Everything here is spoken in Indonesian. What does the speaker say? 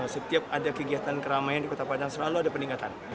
setiap ada kegiatan keramaian di kota padang selalu ada peningkatan